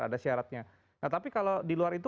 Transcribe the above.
ada syaratnya nah tapi kalau di luar itu